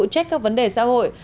trách các vấn đề xã hội